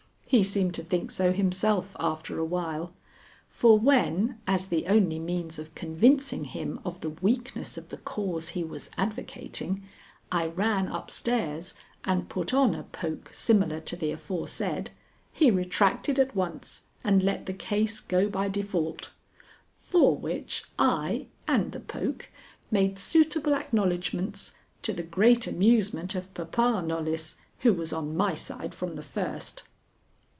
He seemed to think so himself, after a while; for when, as the only means of convincing him of the weakness of the cause he was advocating, I ran up stairs and put on a poke similar to the aforesaid, he retracted at once and let the case go by default. For which I, and the poke, made suitable acknowledgments, to the great amusement of papa Knollys, who was on my side from the first.